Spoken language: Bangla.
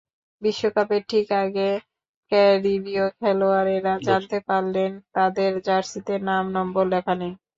বিশ্বকাপের ঠিক আগে ক্যারিবীয় খেলোয়াড়েরা জানতে পারলেন, তাঁদের জার্সিতে নাম-নম্বর লেখা নেই।